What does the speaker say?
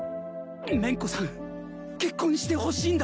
麺子さん結婚してほしいんだ！